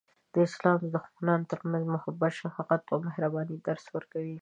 اسلام د انسانانو ترمنځ د محبت، شفقت، او مهربانۍ درس ورکوي.